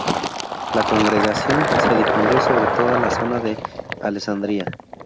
La congregación se difundió sobre toda la zona de Alessandria.